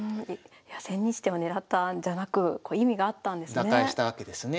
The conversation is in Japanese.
千日手を狙ったんじゃなく意味があったんですね。